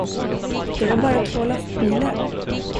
Det var bara två lastbilar.